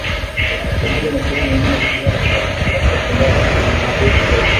Pamoja na sehemu nyingine za dunia kupitia ukurasa wa Mtandao wa Ulimwengu Kote